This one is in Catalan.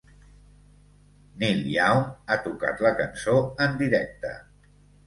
Neil Young ha tocat la cançó en directe.